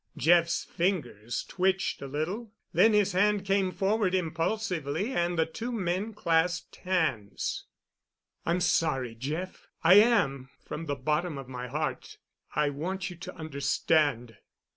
Jeff's fingers twitched a little, then his hand came forward impulsively, and the two men clasped hands. "I'm sorry, Jeff—I am—from the bottom of my heart. I want you to understand."